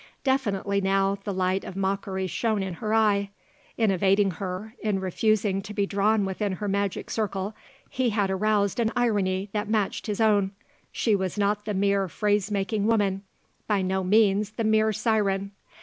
Definitely, now, the light of mockery shone in her eye. In evading her, in refusing to be drawn within her magic circle, he had aroused an irony that matched his own. She was not the mere phrase making woman; by no means the mere siren.